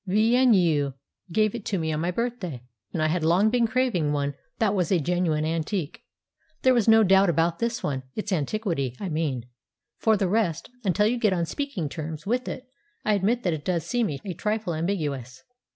V. and U. gave it to me one birthday; I had long been craving one that was a genuine antique. There was no doubt about this one—its antiquity, I mean; for the rest, until you get on speaking terms with it, I admit that it does seem a trifle ambiguous.